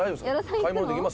「買い物できます？」